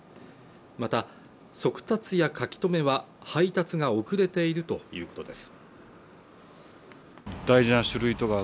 また速達や書留は配達が遅れているということです